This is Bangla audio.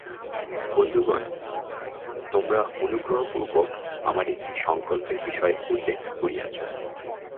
বন্ধুগণ, তোমরা অনুগ্রহপূর্বক আমার একটি সঙ্কল্পের বিষয় উল্লেখ করিয়াছ।